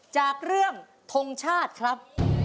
จากเรื่องทงชาติครับ